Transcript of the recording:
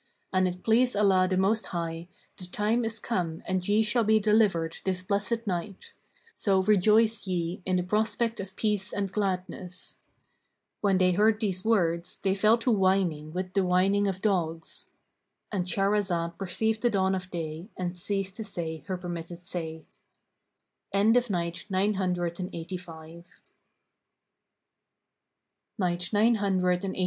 An it please Allah the Most High, the time is come and ye shall be delivered this blessed night; so rejoice ye in the prospect of peace and gladness." When they heard these words, they fell to whining with the whining of dogs,—And Shahrazad perceived the dawn of day and ceased to say her permitted say.